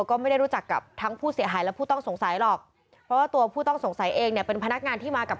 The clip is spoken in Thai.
ข้างล่างเนี่ยนาสิทธิ์มาก